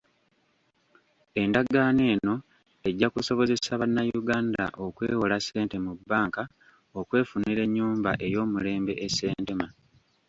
Endagaano eno ejja kusobozesa bannayuganda okwewola ssente mu bbanka okwefunira ennyumba ey'omulembe e Ssentema.